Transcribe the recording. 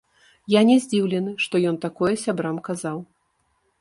Я не здзіўлены, што ён такое сябрам казаў.